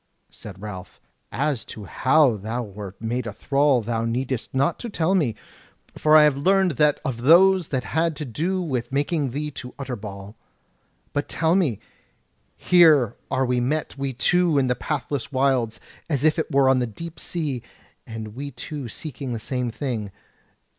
Said Ralph: "As to how thou wert made a thrall thou needest not to tell me; for I have learned that of those that had to do with taking thee to Utterbol. But tell me; here are met we two in the pathless wilds, as if it were on the deep sea, and we two seeking the same thing.